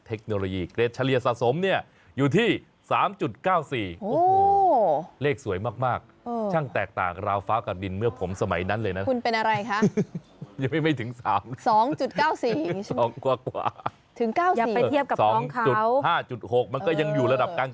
ถึง๙๔อย่าไปเทียบกับพร้อมเขาถึง๕๖มันก็ยังอยู่ระดับกลาง